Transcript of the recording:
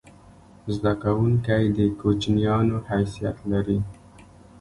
زده کوونکی د کوچنیانو حیثیت لري.